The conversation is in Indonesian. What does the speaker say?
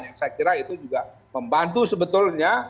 yang saya kira itu juga membantu sebetulnya